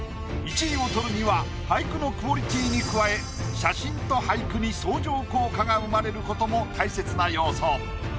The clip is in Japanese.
１位を取るには俳句のクオリティーに加え写真と俳句に相乗効果が生まれることも大切な要素。